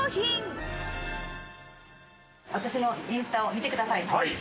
私のインスタを見てください。